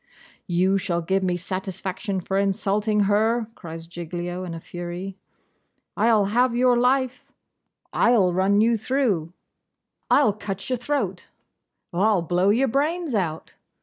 'You shall give me satisfaction for insulting her!' cries Giglio in a fury. 'I'll have your life.' 'I'll run you through.' 'I'll cut your throat.' 'I'll blow your brains out.